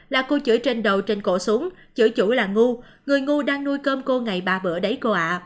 là cô chửi trên đầu trên cổ súng chửi chủ là ngu người ngu đang nuôi cơm cô ngày ba bữa đấy cô ạ